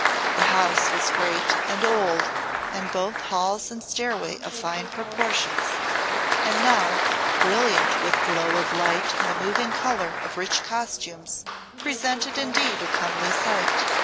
The house was great and old, and both halls and stairway of fine proportions, and now, brilliant with glow of light and the moving colour of rich costumes, presented indeed a comely sight.